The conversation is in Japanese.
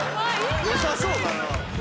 よさそうだな。